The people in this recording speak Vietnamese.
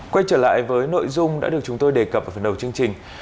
quay trở lại với nội dung đã được chúng tôi đề cập ở phần đầu chương trình